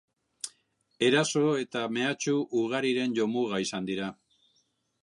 Eraso eta mehatxu ugariren jomuga izan dira.